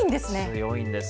強いんです。